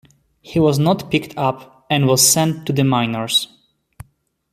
He was not picked up and was sent to the minors.